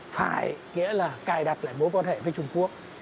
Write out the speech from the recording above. phải nghĩa là cài đặt lại mối quan hệ với trung quốc